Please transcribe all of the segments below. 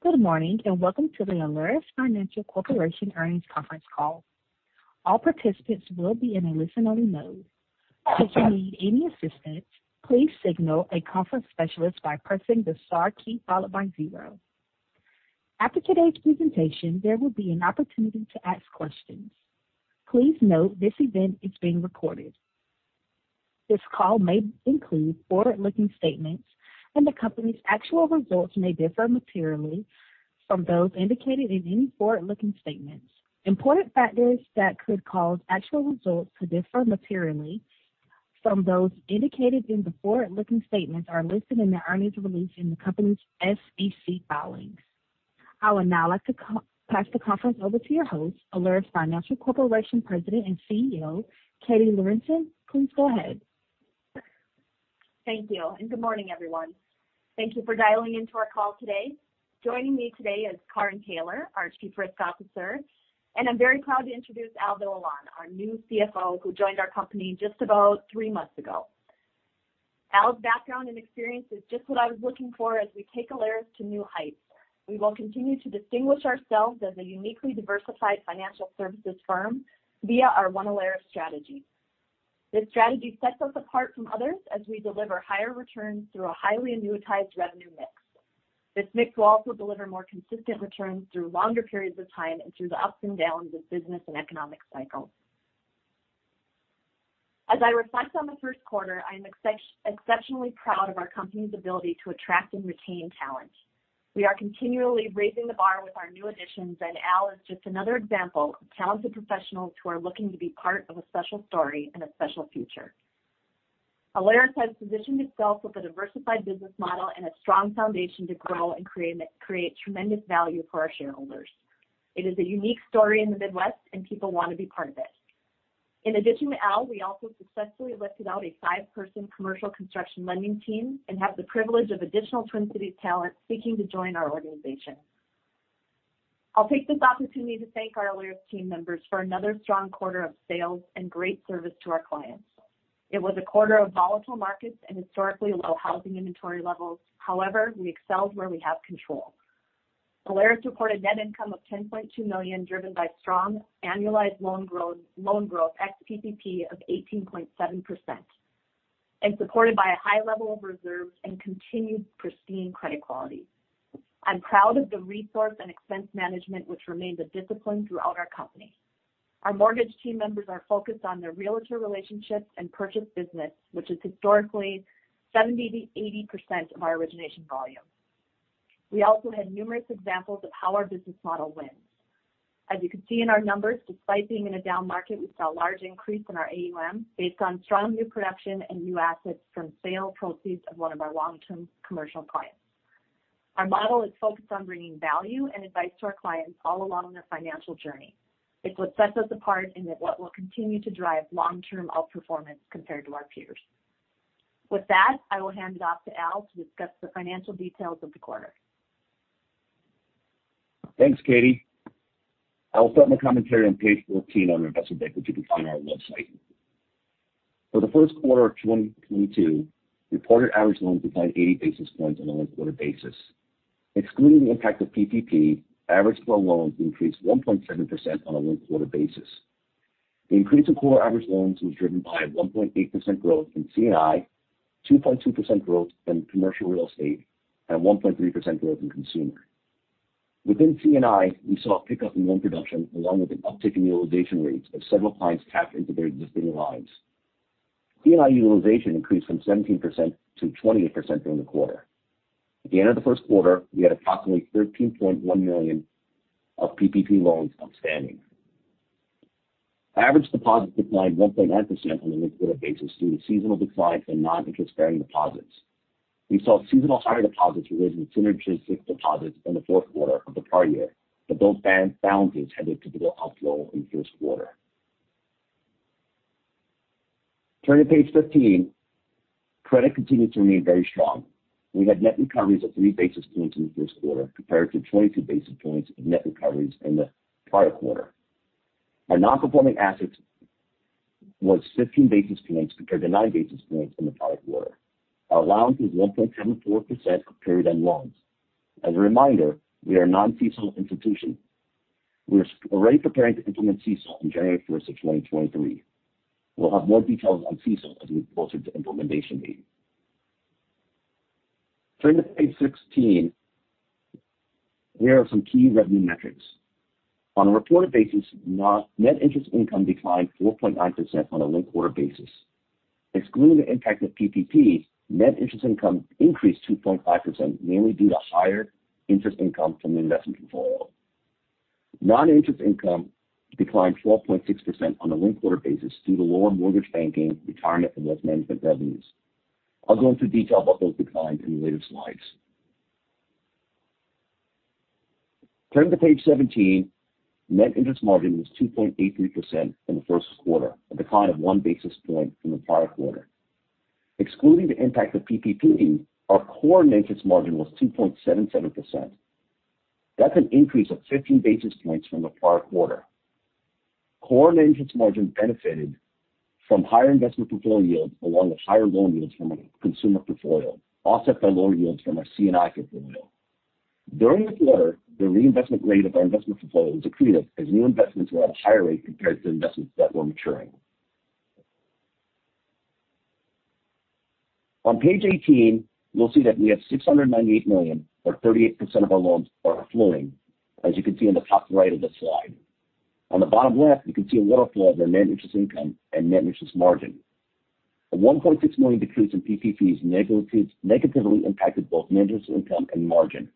Good morning, and welcome to the Alerus Financial Corporation Earnings Conference Call. All participants will be in a listen-only mode. If you need any assistance, please signal a conference specialist by pressing the star key followed by zero. After today's presentation, there will be an opportunity to ask questions. Please note this event is being recorded. This call may include forward-looking statements, and the company's actual results may differ materially from those indicated in any forward-looking statements. Important factors that could cause actual results to differ materially from those indicated in the forward-looking statements are listed in the earnings release in the company's SEC filings. I would now like to pass the conference over to your host, Alerus Financial Corporation President and CEO, Katie Lorenson. Please go ahead. Thank you, and good morning, everyone. Thank you for dialing in to our call today. Joining me today is Karin Taylor, our Chief Risk Officer, and I'm very proud to introduce Al Villalon, our new CFO, who joined our company just about three months ago. Al's background and experience is just what I was looking for as we take Alerus to new heights. We will continue to distinguish ourselves as a uniquely diversified financial services firm via our One Alerus strategy. This strategy sets us apart from others as we deliver higher returns through a highly annuitized revenue mix. This mix will also deliver more consistent returns through longer periods of time and through the ups and downs of business and economic cycles. As I reflect on the first quarter, I'm exceptionally proud of our company's ability to attract and retain talent. We are continually raising the bar with our new additions, and Al is just another example of talented professionals who are looking to be part of a special story and a special future. Alerus has positioned itself with a diversified business model and a strong foundation to grow and create tremendous value for our shareholders. It is a unique story in the Midwest, and people want to be part of it. In addition to Al, we also successfully lifted out a five-person commercial construction lending team and have the privilege of additional Twin Cities talent seeking to join our organization. I'll take this opportunity to thank our Alerus team members for another strong quarter of sales and great service to our clients. It was a quarter of volatile markets and historically low housing inventory levels. However, we excelled where we have control. Alerus reported net income of $10.2 million, driven by strong annualized loan growth, loan growth ex-PPP of 18.7% and supported by a high level of reserves and continued pristine credit quality. I'm proud of the resource and expense management which remains a discipline throughout our company. Our mortgage team members are focused on their realtor relationships and purchase business, which is historically 70%-80% of our origination volume. We also had numerous examples of how our business model wins. As you can see in our numbers, despite being in a down market, we saw a large increase in our AUM based on strong new production and new assets from sale proceeds of one of our long-term commercial clients. Our model is focused on bringing value and advice to our clients all along their financial journey. It's what sets us apart and it's what will continue to drive long-term outperformance compared to our peers. With that, I will hand it off to Al to discuss the financial details of the quarter. Thanks, Katie. I will start my commentary on page 14 of our investor deck, which you can find on our website. For the first quarter of 2022, reported average loans declined 80 basis points on a linked-quarter basis. Excluding the impact of PPP, average core loans increased 1.7% on a linked-quarter basis. The increase in core average loans was driven by 1.8% growth in C&I, 2.2% growth in commercial real estate, and 1.3% growth in consumer. Within C&I, we saw a pickup in loan production along with an uptick in utilization rates as several clients tapped into their existing lines. C&I utilization increased from 17% to 28% during the quarter. At the end of the first quarter, we had approximately $13.1 million of PPP loans outstanding. Average deposits declined 1.9% on a linked-quarter basis due to seasonal declines in non-interest-bearing deposits. We saw seasonal higher deposits rise with synergistic deposits in the fourth quarter of the prior year, but those balances led to the outflow in first quarter. Turn to page 15. Credit continued to remain very strong. We had net recoveries of 3 basis points in the first quarter compared to 22 basis points in net recoveries in the prior quarter. Our non-performing assets was 15 basis points compared to 9 basis points in the prior quarter. Our allowance is 1.74% of period-end loans. As a reminder, we are a non-CECL institution. We're already preparing to implement CECL on January 1, 2023. We'll have more details on CECL as we get closer to implementation date. Turn to page 16. Here are some key revenue metrics. On a reported basis, net interest income declined 4.9% on a linked-quarter basis. Excluding the impact of PPP, net interest income increased 2.5%, mainly due to higher interest income from the investment portfolio. Non-interest income declined 12.6% on a linked-quarter basis due to lower mortgage banking, retirement, and wealth management revenues. I'll go into detail about those declines in the later slides. Turn to page 17. Net interest margin was 2.83% in the first quarter, a decline of 1 basis point from the prior quarter. Excluding the impact of PPP, our core net interest margin was 2.77%. That's an increase of 15 basis points from the prior quarter. Core net interest margin benefited from higher investment portfolio yields along with higher loan yields from our consumer portfolio, offset by lower yields from our C&I portfolio. During the quarter, the reinvestment rate of our investment portfolio was accretive as new investments were at a higher rate compared to investments that were maturing. On page 18, you'll see that we have $698 million or 38% of our loans are flowing, as you can see on the top right of the slide. On the bottom left, you can see a waterfall of the net interest income and net interest margin. A $1.6 million decrease in PPPs negatively impacted both net interest income and margin.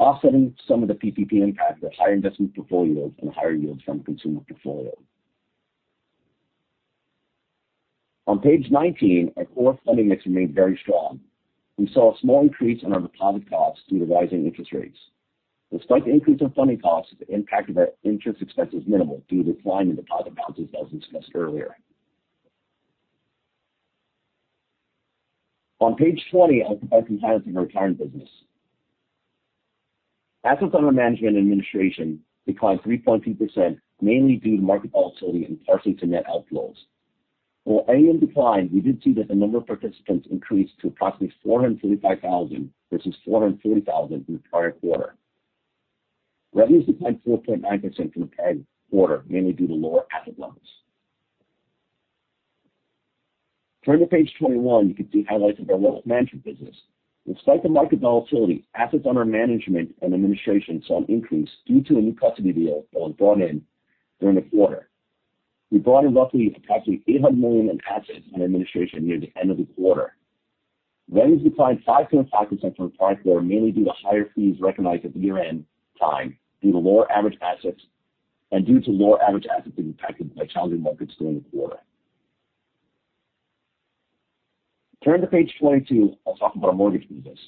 Offsetting some of the PPP impact was higher investment portfolio yields and higher yields from consumer portfolio. On page 19, our core funding mix remained very strong. We saw a small increase in our deposit costs due to rising interest rates. Despite the increase in funding costs, the impact of our interest expense is minimal due to decline in deposit balances, as discussed earlier. On page 20, I'll provide some highlights in our retirement business. Assets under management and administration declined 3.2%, mainly due to market volatility and partially to net outflows. While AUM declined, we did see that the number of participants increased to approximately 435,000 versus 430,000 in the prior quarter. Revenues declined 4.9% from the prior quarter, mainly due to lower asset levels. Turning to page 21, you can see highlights of our wealth management business. Despite the market volatility, assets under management and administration saw an increase due to a new custody deal that was brought in during the quarter. We brought in roughly approximately 800 million in assets under administration near the end of the quarter. Revenues declined 5.5% from the prior quarter, mainly due to higher fees recognized at year-end time due to lower average assets and due to lower average assets being impacted by challenging markets during the quarter. Turning to page 22, I'll talk about our mortgage business.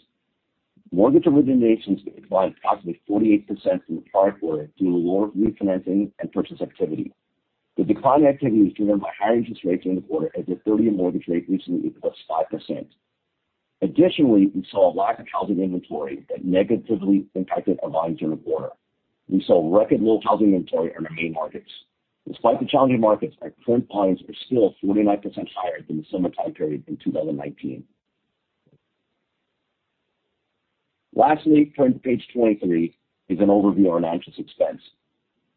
Mortgage originations declined approximately 48% from the prior quarter due to lower refinancing and purchase activity. The decline in activity was driven by higher interest rates during the quarter as the 30-year mortgage rate recently hit +5%. Additionally, we saw a lack of housing inventory that negatively impacted our volumes during the quarter. We saw record low housing inventory in our main markets. Despite the challenging markets, our current volumes are still 49% higher than the summertime period in 2019. Lastly, turning to page 23 is an overview of our non-interest expense.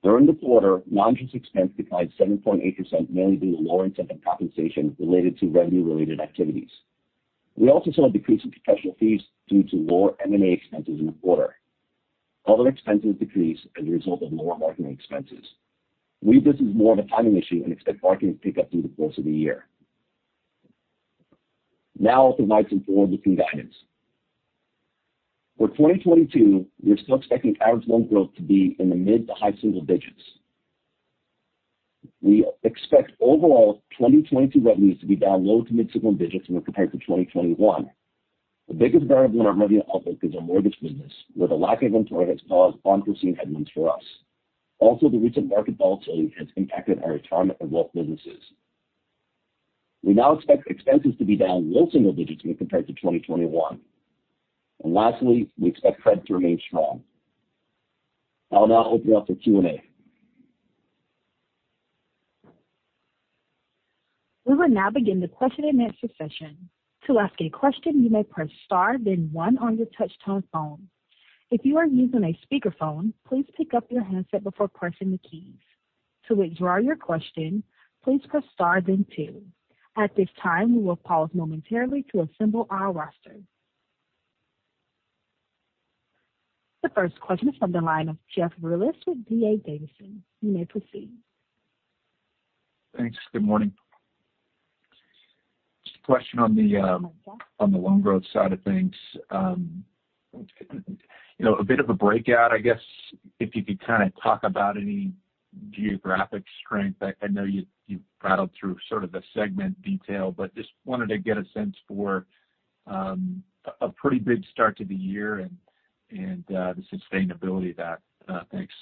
During the quarter, non-interest expense declined 7.8% mainly due to lower incentive compensation related to revenue-related activities. We also saw a decrease in professional fees due to lower M&A expenses in the quarter. Other expenses decreased as a result of lower marketing expenses. We view this as more of a timing issue and expect marketing to pick up through the course of the year. Now I'll provide some forward-looking guidance. For 2022, we're still expecting average loan growth to be in the mid to high single digits. We expect overall 2022 revenues to be down low- to mid-single digits when compared to 2021. The biggest variable in our revenue outlook is our mortgage business, where the lack of inventory has caused unforeseen headwinds for us. Also, the recent market volatility has impacted our retirement and wealth businesses. We now expect expenses to be down low single digits when compared to 2021. Lastly, we expect credit to remain strong. I'll now open it up for Q&A. We will now begin the question-and-answer session. To ask a question, you may press star then one on your touchtone phone. If you are using a speakerphone, please pick up your handset before pressing the keys. To withdraw your question, please press star then two. At this time, we will pause momentarily to assemble our roster. The first question is from the line of Jeff Rulis with D.A. Davidson. You may proceed. Thanks. Good morning. Just a question on the loan growth side of things. You know, a bit of a breakout, I guess, if you could kind of talk about any geographic strength. I know you rattled through sort of the segment detail, but just wanted to get a sense for a pretty big start to the year and the sustainability of that. Thanks.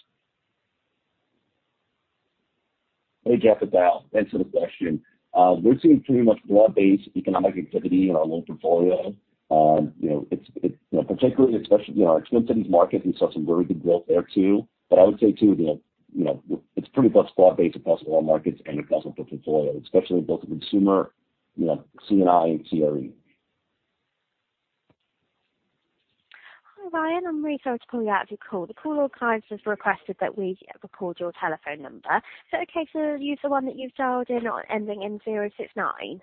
Hey, Jeff. It's Al. Thanks for the question. We're seeing pretty much broad-based economic activity in our loan portfolio. You know, it's you know, particularly, especially in our Twin Cities market, we saw some very good growth there too. I would say too that, you know, it's pretty much broad-based across all markets and across all book portfolio, especially both in consumer, you know, C&I and CRE. Hi, Ryan. I'm reaching out to pull you out of your call. The call has requested that we record your telephone number. Is it okay to use the one that you've dialed in ending in 069?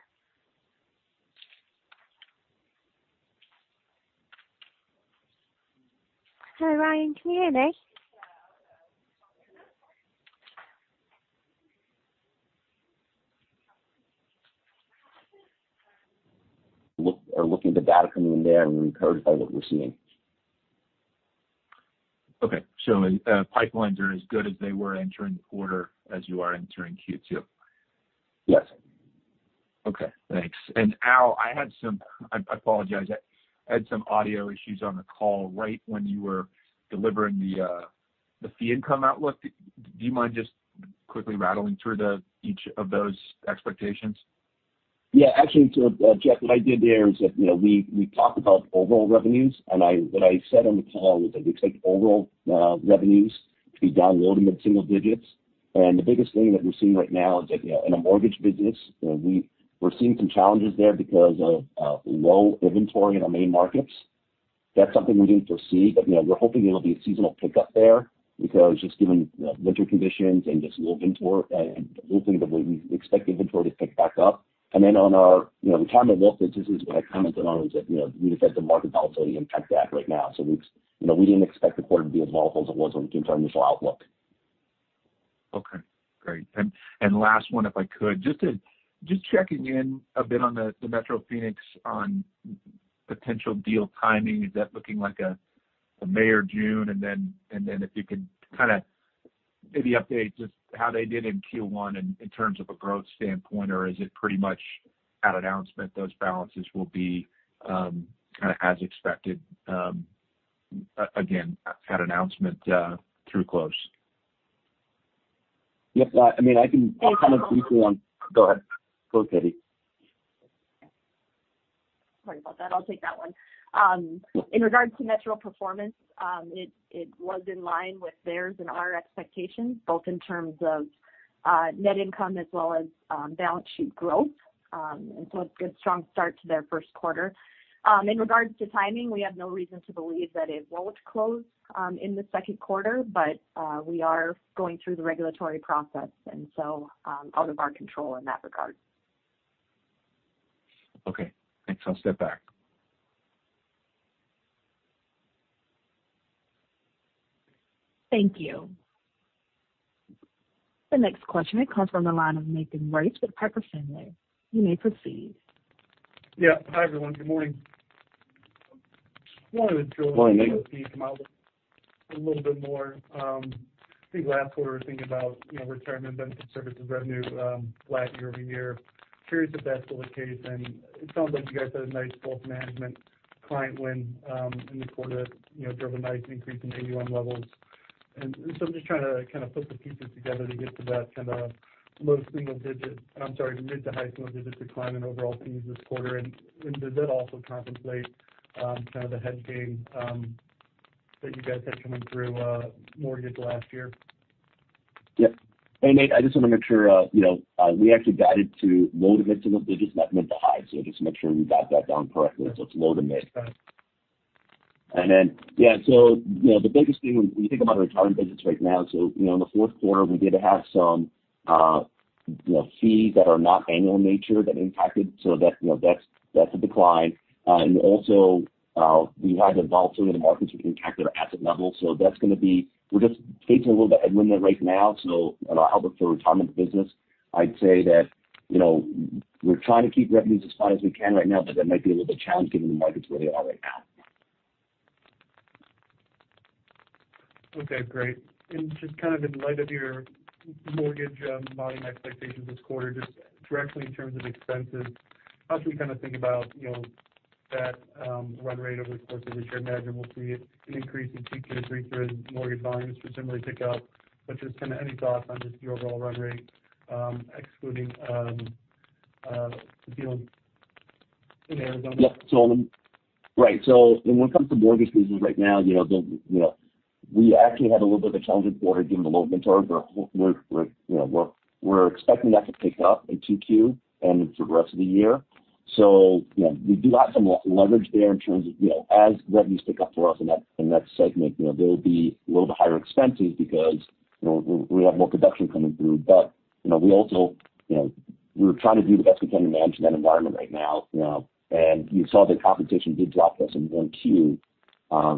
Hello, Ryan. Can you hear me? We're looking at the data coming in there, and we're encouraged by what we're seeing. Okay. Pipelines are as good as they were entering the quarter as you are entering Q2? Yes. Okay, thanks. Al, I apologize. I had some audio issues on the call right when you were delivering the fee income outlook. Do you mind just quickly rattling through each of those expectations? Yeah, actually, Jeff, what I did there is that, you know, we talked about overall revenues, and what I said on the call was that we expect overall revenues to be down low- to mid-single digits%. The biggest thing that we're seeing right now is that, you know, in a mortgage business, you know, we're seeing some challenges there because of low inventory in our main markets. That's something we didn't foresee. We're hoping it'll be a seasonal pickup there because just given, you know, winter conditions and just low inventory and hopefully that we expect inventory to pick back up. Then on our, you know, retirement wealth business, what I commented on was that, you know, we just had the market volatility impact that right now. We, you know, didn't expect the quarter to be as volatile as it was in terms of initial outlook. Okay, great. Last one, if I could. Just checking in a bit on the Metro Phoenix on potential deal timing. Is that looking like a May or June? Then if you could kinda maybe update just how they did in Q1 in terms of a growth standpoint, or is it pretty much at announcement those balances will be kinda as expected again at announcement through close? Yes. I mean, I can comment if you want. Go ahead. Go, Katie Lorenson. Sorry about that. I'll take that one. In regards to Metro performance, it was in line with theirs and our expectations, both in terms of net income as well as balance sheet growth. A good strong start to their first quarter. In regards to timing, we have no reason to believe that it won't close in the second quarter. We are going through the regulatory process, out of our control in that regard. Okay, thanks. I'll step back. Thank you. The next question comes from the line of Nathan Race with Piper Sandler. You may proceed. Yeah. Hi, everyone. Good morning. Morning, Nate. Wanted to drill into your fee income with a little bit more. I think last quarter we were thinking about, you know, retirement benefit services revenue, flat year-over-year. Curious if that's still the case. It sounds like you guys had a nice wealth management client win, in the quarter, you know, drove a nice increase in AUM levels. I'm just trying to kind of put the pieces together to get to that kind of low single digits. I'm sorry, mid- to high-single-digit decline in overall fees this quarter. Does that also contemplate kind of the headwind that you guys had coming through mortgage last year? Yeah. Hey, Nate, I just want to make sure, you know, we actually guided to low to mid-single digits, not mid to high. Just make sure we got that down correctly. It's low to mid. Got it. Yeah, you know, the biggest thing when you think about our retirement business right now, so, you know, in the fourth quarter, we did have some, you know, fees that are not annual in nature that impacted. So that's, you know, a decline. And also, we had the volatility in the markets, which impacted our asset levels. So that's gonna be, we're just taking a little bit headwind there right now. You know, how it looks for retirement business, I'd say that, you know, we're trying to keep revenues as high as we can right now, but that might be a little bit challenging given the markets where they are right now. Okay, great. Just kind of in light of your mortgage volume expectations this quarter, just directly in terms of expenses, how should we kind of think about, you know, that run rate over the course of this year? I imagine we'll see an increase in 2Q and 3Q as mortgage volumes presumably pick up. Just kind of any thoughts on just the overall run rate, excluding the deal in Arizona? When it comes to mortgage business right now, you know, we actually had a little bit of a challenging quarter given the low inventory. We're expecting that to pick up in 2Q and through the rest of the year. You know, we do have some leverage there in terms of, you know, as revenues pick up for us in that segment, you know, there'll be a little bit higher expenses because, you know, we have more production coming through. You know, we also, you know, we're trying to do the best we can to manage that environment right now, you know. You saw the comp expense did drop for us in 1Q,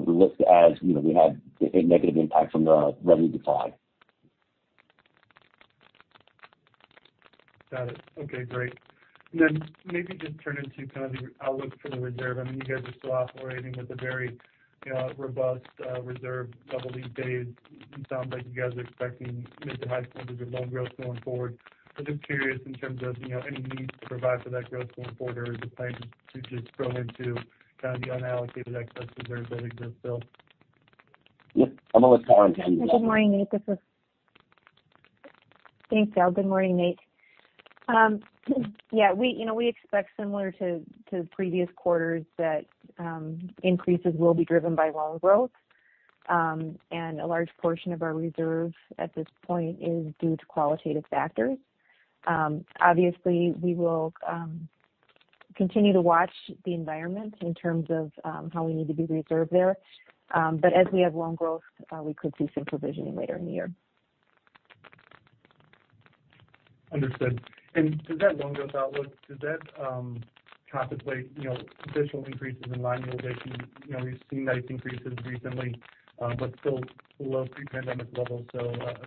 which, as you know, we had a negative impact from the revenue decline. Got it. Okay, great. Maybe just turn to kind of the outlook for the reserve. I mean, you guys are still operating with a very, you know, robust reserve-to-loan ratio. It sounds like you guys are expecting mid- to high-single-digit loan growth going forward. I'm just curious in terms of, you know, any need to provide for that growth going forward, or is it likely to just grow into kind of the unallocated excess reserve that exists still? Yeah. I'm gonna let Karin take this one. Good morning, Nate. Thanks, Al. Good morning, Nate. Yeah, you know, we expect similar to previous quarters that increases will be driven by loan growth. A large portion of our reserve at this point is due to qualitative factors. Obviously, we will continue to watch the environment in terms of how we need to be reserved there. As we have loan growth, we could see some provisioning later in the year. Understood. Does that loan growth outlook contemplate, you know, additional increases in line utilization? You know, we've seen nice increases recently, but still below pre-pandemic levels.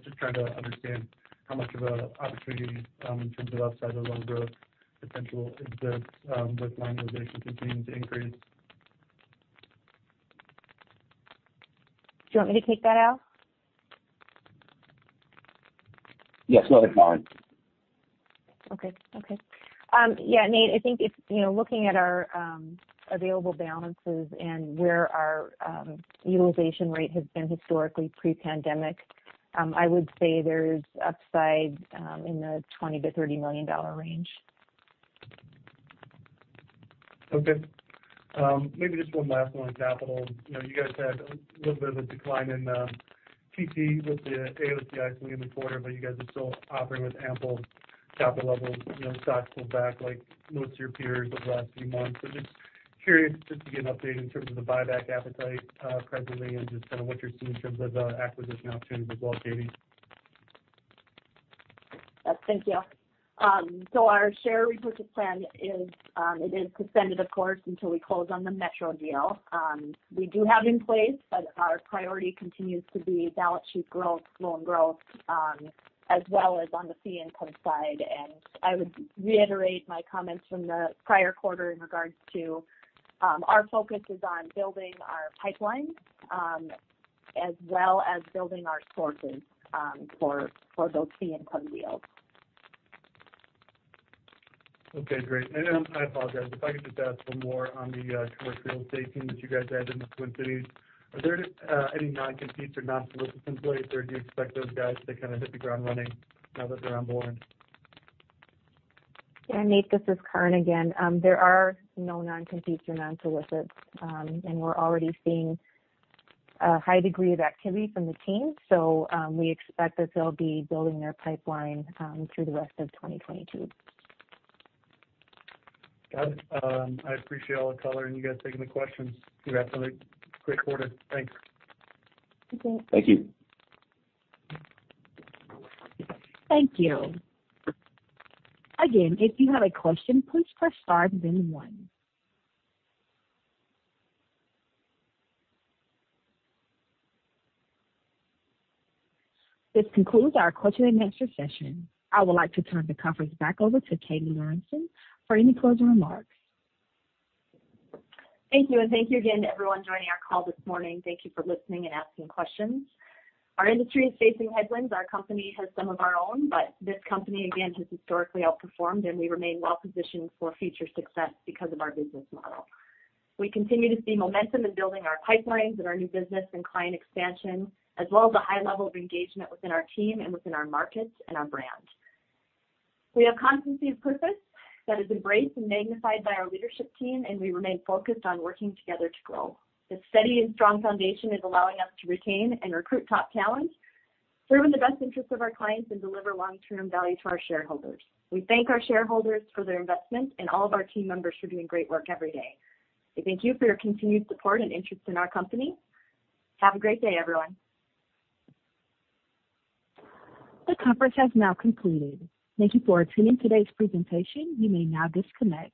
Just trying to understand how much of an opportunity, in terms of upside or loan growth potential exists, with line utilization continuing to increase. Do you want me to take that, Al? Yes. Go ahead, Karin. Okay. Yeah, Nate, I think it's, you know, looking at our available balances and where our utilization rate has been historically pre-pandemic. I would say there's upside in the $20 million-$30 million range. Okay. Maybe just one last one on capital. You know, you guys had a little bit of a decline in TC with the AOCI coming in the quarter, but you guys are still operating with ample capital levels. You know, stocks pulled back like most of your peers over the last few months. Just curious just to get an update in terms of the buyback appetite, presently and just kind of what you're seeing in terms of acquisition opportunities as well, Katie. Thank you. So our share repurchase plan is, it is suspended, of course, until we close on the Metro deal. We do have in place, but our priority continues to be balance sheet growth, loan growth, as well as on the fee income side. I would reiterate my comments from the prior quarter in regards to, our focus is on building our pipeline, as well as building our sources, for those fee income deals. Okay, great. I apologize if I could just ask for more on the commercial real estate team that you guys added in the Twin Cities. Are there any non-competes or non-solicits in place, or do you expect those guys to kind of hit the ground running now that they're on board? Yeah, Nate, this is Karin again. There are no non-competes or non-solicits, and we're already seeing a high degree of activity from the team. We expect that they'll be building their pipeline through the rest of 2022. Got it. I appreciate all the color and you guys taking the questions. Congratulations. Great quarter. Thanks. Thank you. Thank you. Thank you. Again, if you have a question, please press star then one. This concludes our question-and-answer session. I would like to turn the conference back over to Katie Lorenson for any closing remarks. Thank you. Thank you again to everyone joining our call this morning. Thank you for listening and asking questions. Our industry is facing headwinds. Our company has some of our own, but this company, again, has historically outperformed, and we remain well positioned for future success because of our business model. We continue to see momentum in building our pipelines and our new business and client expansion, as well as a high level of engagement within our team and within our markets and our brand. We have constancy of purpose that is embraced and magnified by our leadership team, and we remain focused on working together to grow. This steady and strong foundation is allowing us to retain and recruit top talent, serve in the best interest of our clients, and deliver long-term value to our shareholders. We thank our shareholders for their investment and all of our team members for doing great work every day. We thank you for your continued support and interest in our company. Have a great day, everyone. The conference has now concluded. Thank you for attending today's presentation. You may now disconnect.